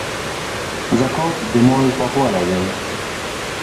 زکات د مال پاکوالی دی